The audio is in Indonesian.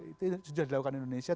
itu sudah dilakukan indonesia